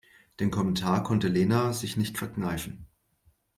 Den Kommentar konnte Lena sich nicht verkneifen.